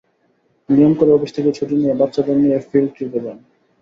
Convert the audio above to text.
নিয়ম করে অফিস থেকে ছুটি নিয়ে বাচ্চাদের নিয়ে ফিল্ড ট্রিপে যান।